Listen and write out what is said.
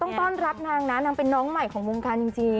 ต้องต้อนรับนางนะนางเป็นน้องใหม่ของวงการจริง